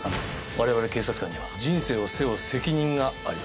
我々警察官には人生を背負う責任があります。